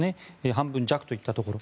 半分弱といったところ。